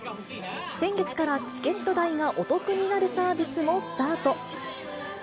先月からチケット代がお得になるサービスもスタート。